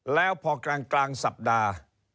แล้วพอกลางสัปดาห์